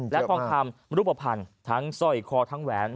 และทองคำรูปภัณฑ์ทั้งสร้อยคอทั้งแหวน